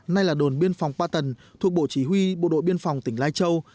nay là đồn biên phòng pa tần thuộc bộ chỉ huy bộ đội biên phòng tỉnh lai châu